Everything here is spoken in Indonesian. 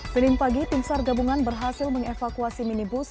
senin pagi tim sar gabungan berhasil mengevakuasi minibus